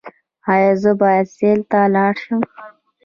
ایا زه باید سیل ته لاړ شم؟